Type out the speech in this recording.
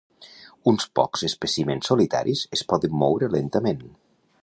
Uns pocs espècimens solitaris es poden moure lentament.